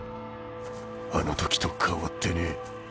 あの時と変わってねえ。